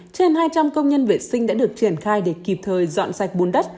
trên hai trăm linh công nhân vệ sinh đã được triển khai để kịp thời dọn sạch bùn đất